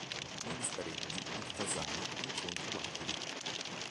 Negli spareggi il Fasano incontra L’Aquila.